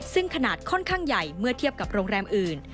ซึ่งขนาดค่อนข้างใหญ่เมื่อเทียบกับโรงแรมอื่น